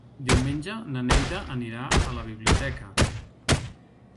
Diumenge na Neida anirà a la biblioteca.